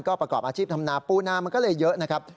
ประกอบอาชีพทำนาปูนามันก็เลยเยอะนะครับ